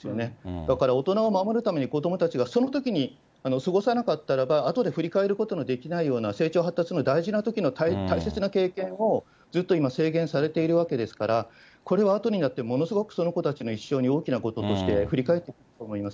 だから大人を守るのに子どもたちがそのときに過ごさなかったならば、あとで振り返ることのできないような、成長発達の大事なときの大切な経験を、ずっと今、制限されているわけですから、これはあとになってものすごいその子たちの一生に大きなこととして振り返ってくると思います。